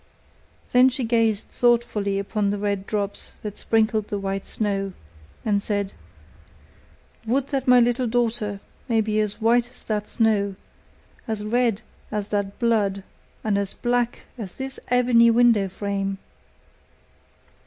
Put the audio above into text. Then she gazed thoughtfully upon the red drops that sprinkled the white snow, and said, 'Would that my little daughter may be as white as that snow, as red as that blood, and as black as this ebony windowframe!